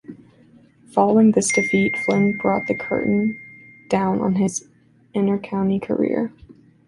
Following this defeat Flynn brought the curtain down on his inter-county career.